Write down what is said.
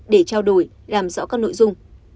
để trao đổi làm rõ các nội dung